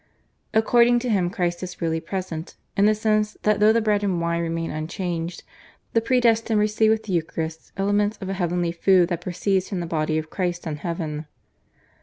According to him Christ is really present, in the sense that though the bread and wine remain unchanged, the predestined receive with the Eucharistic elements a heavenly food that proceeds from the body of Christ in Heaven.